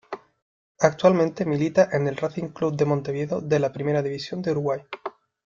Actualmente milita en el Racing Club de Montevideo de la Primera División de Uruguay.